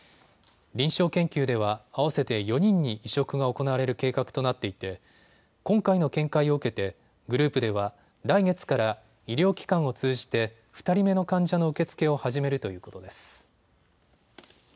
臨床研究では合わせて４人に移植が行われる計画となっていて今回の見解を受けてグループでは来月から医療機関を通じて２人目の患者の受け付けを始めるということです。